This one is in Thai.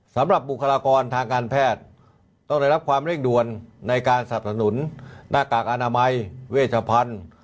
บุคลากรทางการแพทย์ต้องได้รับความเร่งด่วนในการสนับสนุนหน้ากากอนามัยเวชพันธุ์